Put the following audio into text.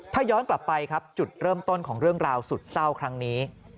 ถ้าย้อนกลับไปครับจุดเริ่มต้นของเรื่องราวสุดเศร้าครั้งนี้